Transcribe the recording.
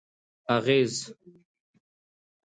اغېز: